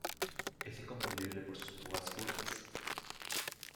Es inconfundible por sus púas curvas.